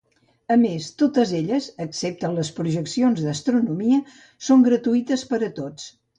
A més, totes elles, excepte les projeccions d’astronomia, són gratuïtes per a tots.